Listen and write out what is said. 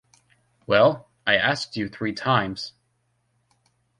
Well, I asked you three times.